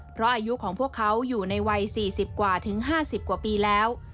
เพราะอายุของพวกเขาอยู่ในวัย๔๐กว่าถึง๕๐กว่าปีแล้ว